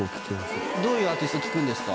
どういうアーティスト聴くんですか？